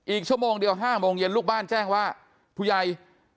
อีกชั่วโมงเดียว๕โมงเย็นลูกบ้านแจ้งว่าผู้ใหญ่